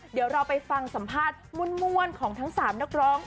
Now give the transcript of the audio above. เดี๋ยวเราไปฟังสัมภาษณ์ม่วนของทั้ง๓นักร้อง